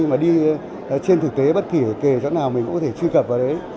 nhưng mà đi trên thực tế bất kỳ kề chỗ nào mình cũng có thể truy cập vào đấy